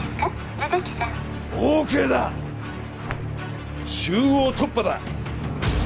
野崎さん」ＯＫだ中央突破だ！